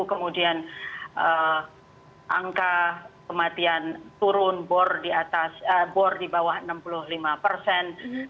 kemudian angka kematian turun bor bor di bawah enam puluh lima persen